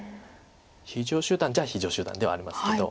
非常手段といえば非常手段ではありますけど。